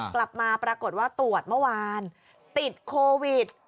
กลับมาปรากฏว่าตรวจเมื่อวานติดโควิด